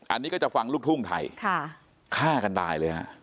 อันนี้ก็จะฟังลูกทุ่งไทยฆ่ากันตายเลยฮะ